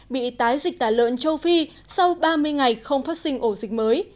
bị tái dịch tả lợn châu phi sau ba mươi ngày không phát sinh ổ dịch mới